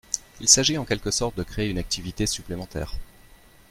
Il s’agit en quelque sorte de créer une activité supplémentaire.